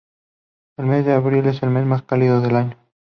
El mes de abril es el mes más cálido del año.